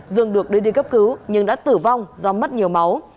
dương được đưa đi cấp cứu nhưng đã tử vong do mất nhiều máu